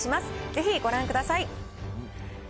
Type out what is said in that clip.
ぜひご覧ください。